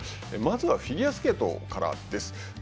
きょうはフィギュアスケートからです。